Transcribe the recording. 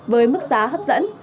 với mức giá hấp dẫn